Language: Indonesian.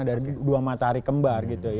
ada dua matahari kembar